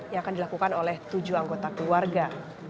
yang akan dilakukan oleh tujuh anggota keluarga